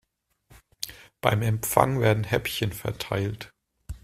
Beim Empfang werden Häppchen verteilt.